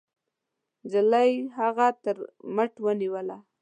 نجلۍ هغه تر مټ ونيوله.